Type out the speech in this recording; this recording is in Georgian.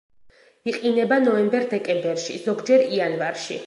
იყინება ნოემბერ-დეკემბერში, ზოგჯერ იანვარში.